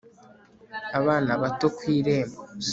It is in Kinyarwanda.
Abana bato ku irembo